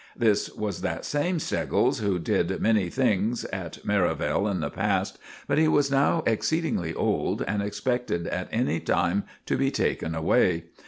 This was that same Steggles who did many things at Merivale in the past, but he was now exceedingly old, and expected at any time to be taken away.